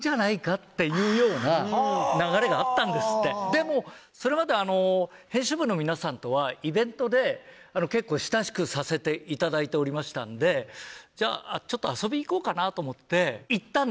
でもそれまで編集部の皆さんとはイベントで結構親しくさせていただいておりましたのでちょっと遊びに行こうかなと思って。